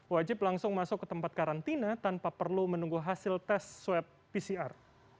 wajib langsung masuk ke tempat karantina tanpa perlu menunggu hasil tes swab pcr